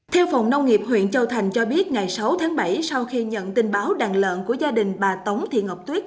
theo phòng nông nghiệp huyện châu thành cho biết ngày sáu tháng bảy sau khi nhận tin báo đàn lợn của gia đình bà tống thị ngọc tuyết